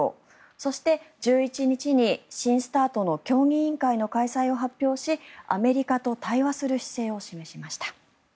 そして、１１日に新ＳＴＡＲＴの協議委員会の開催を発表しアメリカと対話する姿勢を示しました。